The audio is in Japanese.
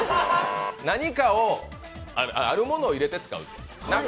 何かを、あるものを入れて使う。